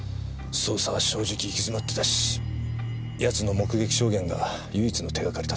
捜査は正直行き詰まってたし奴の目撃証言が唯一の手がかりだった。